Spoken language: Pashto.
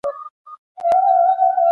فساد کول ګناه ده.